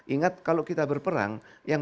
ingat kalau kita berperang yang